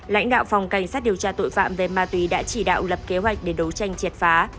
lãnh đạo phòng cảnh sát điều tra tội phạm về ma túy đã chỉ đạo lập kế hoạch để đấu tranh triệt phá